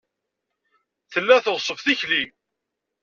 Tella tɣeṣṣeb tikli.